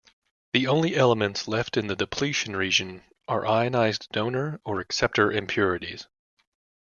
The only elements left in the depletion region are ionized donor or acceptor impurities.